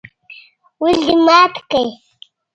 ولې دي مات که؟؟